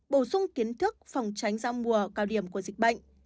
bổ sung kiến thức phòng tránh giao mùa cao điểm của dịch bệnh